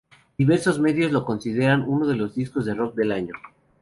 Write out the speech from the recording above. Diversos medios lo consideran uno de los discos de rock del año.